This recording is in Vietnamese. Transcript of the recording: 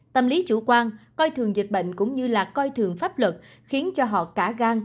tâm lý chủ quan coi thường dịch bệnh cũng như là coi thường pháp luật khiến cho họ cả gan